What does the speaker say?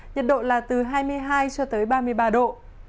nhiệt độ là từ hai mươi hai cho tới ba mươi ba độ